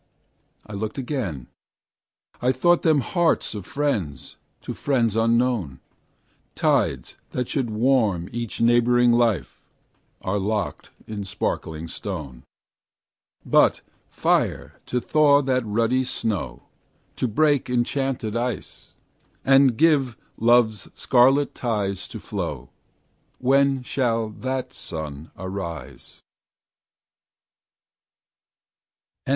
I looked again, I thought them hearts Of friends to friends unknown; Tides that should warm each neighboring life Are locked in sparkling stone. But fire to thaw that ruddy snow, To break enchanted ice, And give love's scarlet tides to flow, When shall that sun arise?